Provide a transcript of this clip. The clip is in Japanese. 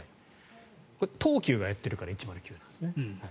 東急がやっているから１０９なんですね。